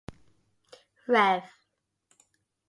Rev.